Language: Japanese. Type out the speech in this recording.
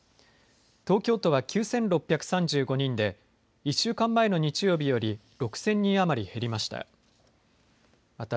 東京都は９６３５人で１週間前の日曜日より６０００人余り減りました。